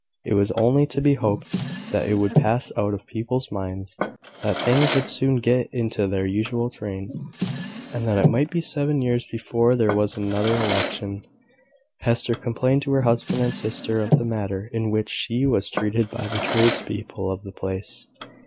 It was only to be hoped that it would pass out of people's minds; that things would soon get into their usual train; and that it might be seven years before there was another election. Hester complained to her husband and sister of the manner in which she was treated by the tradespeople of the place.